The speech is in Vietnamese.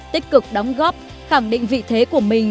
tích cực đóng góp khẳng định vị thế của mình